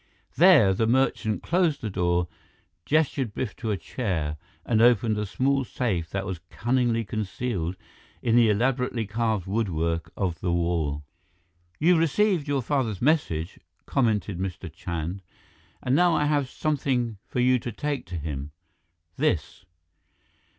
There, the merchant closed the door, gestured Biff to a chair, and opened a small safe that was cunningly concealed in the elaborately carved woodwork of the wall. "You received your father's message," commented Mr. Chand, "and now I have something for you to take to him. This."